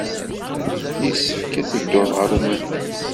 Yessefk ad teddud ɣer umahil.